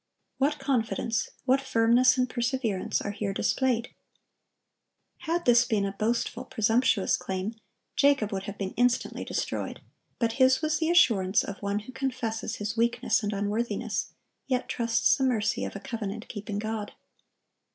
What confidence, what firmness and perseverance, are here displayed! Had this been a boastful, presumptuous claim, Jacob would have been instantly destroyed; but his was the assurance of one who confesses his weakness and unworthiness, yet trusts the mercy of a covenant keeping God.